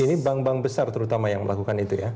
ini bank bank besar terutama yang melakukan itu ya